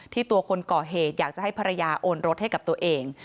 ตัวคนก่อเหตุอยากจะให้ภรรยาโอนรถให้กับตัวเอง